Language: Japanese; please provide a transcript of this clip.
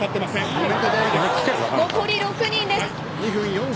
残り６人です。